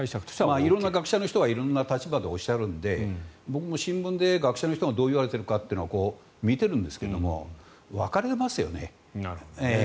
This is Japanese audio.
色んな学者の人が色んな立場でおっしゃるので僕も新聞で学者の人がどう言われているか見ているんですが分かれますよね。